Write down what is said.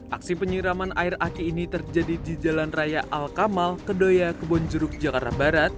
aksi penyiraman air aki ini terjadi di jalan raya al kamal kedoya kebonjeruk jakarta barat